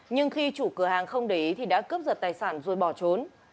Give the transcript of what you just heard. nhưng khi chủ cửa hàng không để ý thì đã cướp giật tài sản rồi bỏ trốn